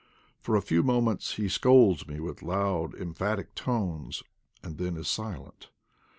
For a few moments he scolds me with loud, emphatic tones,* and then is silent.